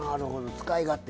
使い勝手